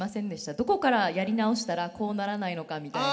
どこからやり直したらこうならないのかみたいな。